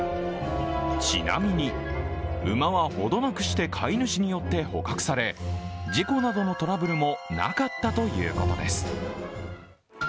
ちなみに、馬は程なくして飼い主によって捕獲され事故などのトラブルもなかったということです。